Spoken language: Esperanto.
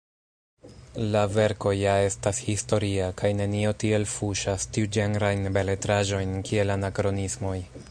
La verko ja estas historia, kaj nenio tiel fuŝas tiuĝenrajn beletraĵojn kiel anakronismoj.